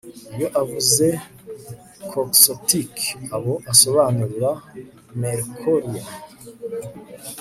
iyo avuze quixotic aba asobanura mercurial